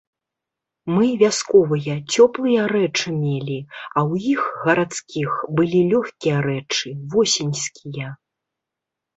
Мы, вясковыя, цёплыя рэчы мелі, а ў іх, гарадскіх, былі лёгкія рэчы, восеньскія.